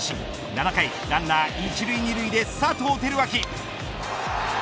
７回ランナー１塁２塁で佐藤輝明。